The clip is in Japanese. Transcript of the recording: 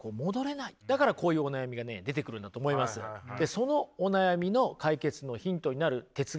そのお悩みの解決のヒントになる哲学者をね